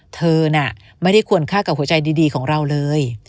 เธอน่ะไม่ได้ควรฆ่ากับหัวใจดีของเราเลย